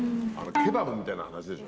ケバブみたいな話でしょ。